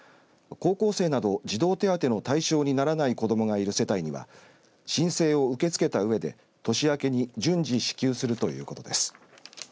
高校生など児童手当の対象にならない子どもがいる世帯には申請を受け付けたうえで年明けに順次支給するということです。